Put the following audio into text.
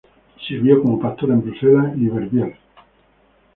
Sirvió como pastor en Bruselas y Verviers.